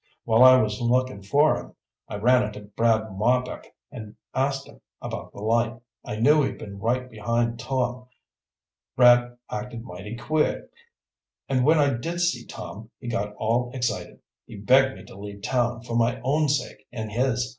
While I was looking for him, I ran into Brad Marbek and I asked him about the light. I knew he'd been right behind Tom. Brad acted mighty queer, and when I did see Tom, he got all excited. He begged me to leave town, for my own sake and his.